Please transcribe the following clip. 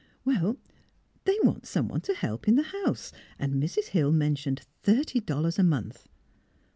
... They want someone to help in the house, and Mrs. Hill mentioned thirty dollars a month."